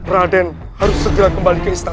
raden harus segera kembali ke istana